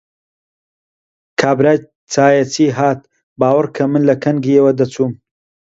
کابرای چاییچی هات، باوەڕ کە من لە کنگیەوە دەچووم!